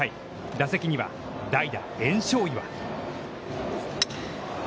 打席には代打焔硝岩。